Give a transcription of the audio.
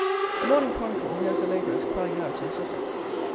The Morning Chronicle hears the labourers crying out in Sussex.